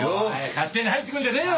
勝手に入ってくるんじゃねえよ！